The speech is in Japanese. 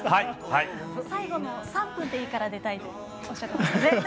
最後の３分から出たいとおっしゃってましたね。